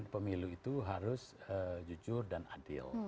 pemilu itu harus jujur dan adil